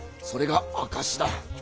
それが証しだ。